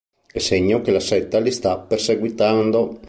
È segno che la setta li sta perseguitando.